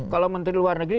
kalau menteri luar negeri